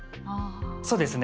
そうですね。